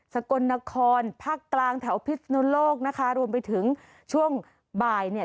กลนครภาคกลางแถวพิศนุโลกนะคะรวมไปถึงช่วงบ่ายเนี่ย